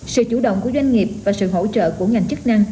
sự chủ động của doanh nghiệp và sự hỗ trợ của ngành chức năng